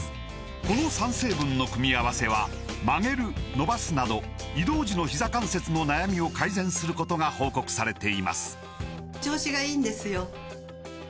この３成分の組み合わせは曲げる伸ばすなど移動時のひざ関節の悩みを改善することが報告されています